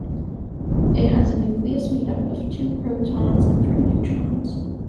It has a nucleus made up of two protons and three neutrons.